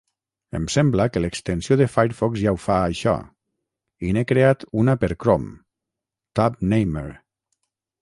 Em sembla que l'extensió de Firefox ja ho fa, això, i n'he creat una per Chrome, Tab Namer.